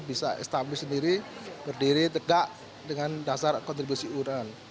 bisa stabil sendiri berdiri tegak dengan dasar kontribusi iuran